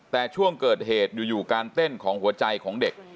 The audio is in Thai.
แต่ช่วงเกิดเหตุอยู่การเต้นของหัวใจของเด็ก